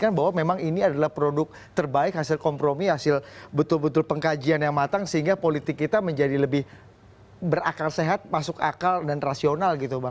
bahwa memang ini adalah produk terbaik hasil kompromi hasil betul betul pengkajian yang matang sehingga politik kita menjadi lebih berakal sehat masuk akal dan rasional gitu bang